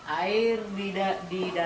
air di dalam udah sudah